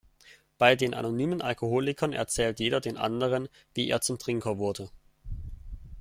Bei den Anonymen Alkoholikern erzählt jeder den anderen, wie er zum Trinker wurde.